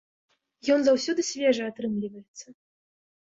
Ён заўсёды свежы атрымліваецца!